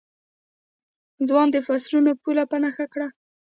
ځوان د فصلونو پوله په نښه کړه.